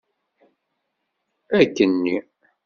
Akkenni!